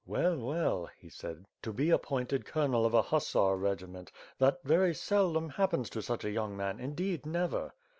"Well, well," he said, "to be appointed colonel of a hussar regiment; that very seldom happens to such a young man; indeed never!"